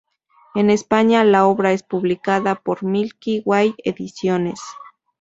En España, la obra es publicada por Milky Way Ediciones.